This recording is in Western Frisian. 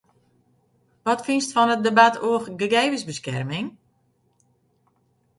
Wat fynst fan it debat oer gegevensbeskerming?